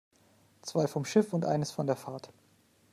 Zwei vom Schiff und eines von der Fahrt.